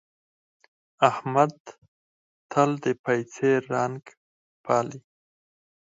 احمد تل د پايڅې رنګ پالي.